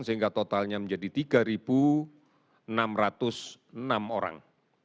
sehingga totalnya menjadi tiga enam ratus enam orang